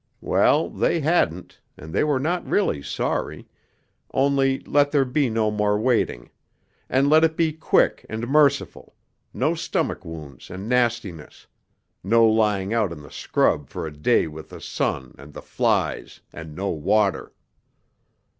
Well, they hadn't, and they were not really sorry ... only let there be no more waiting ... and let it be quick and merciful, no stomach wounds and nastiness ... no lying out in the scrub for a day with the sun, and the flies, and no water.